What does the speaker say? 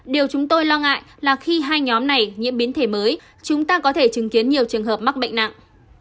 điều chúng tôi lo ngại là khi hai nhóm này nhiễm biến thể mới chúng ta có thể chứng kiến nhiều trường hợp mắc bệnh nặng